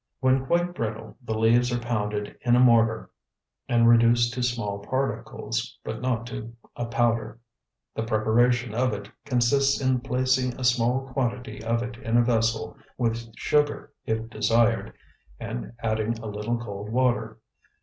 When quite brittle the leaves are pounded in a mortar and reduced to small particles, but not to a powder. The preparation of it consists in placing a small quantity of it in a vessel, with sugar if desired, and adding a little cold water.